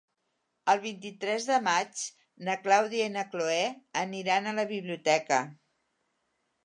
El vint-i-tres de maig na Clàudia i na Cloè aniran a la biblioteca.